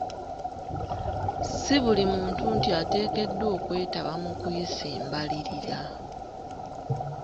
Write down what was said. Ssi buli muntu nti ateekeddwa okwetaba mu kuyisa embalirira.